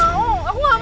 nggak mau aku nggak mau